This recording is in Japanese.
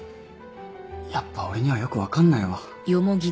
やっぱ俺にはよく分かんないわ。